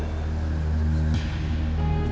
kita akan menemukan